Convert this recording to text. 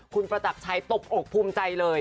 คุณประจักรชัยตบอกภูมิใจเลย